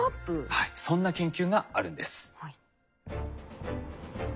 はいそんな研究があるんです。